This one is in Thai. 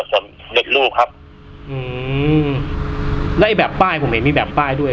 ส่วนเด็กลูกครับอืมแล้วไอ้แบบป้ายผมเห็นมีแบบป้ายด้วย